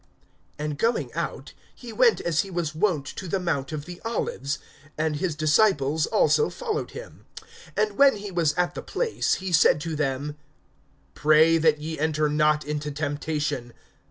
(39)And going out, he went as he was wont to the mount of the Olives; and his disciples also followed him. (40)And when he was at the place, he said to them: Pray that ye enter not into temptation.